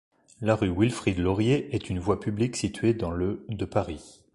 La rue Wilfrid-Laurier est une voie publique située dans le de Paris.